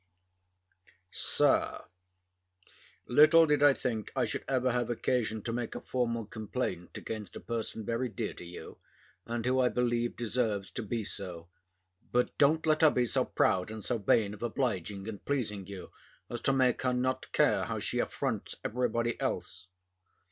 SIR, Little did I think I should ever have occasion to make a formal complaint against a person very dear to you, and who I believe deserves to be so; but don't let her be so proud and so vain of obliging and pleasing you, as to make her not care how she affronts every body else.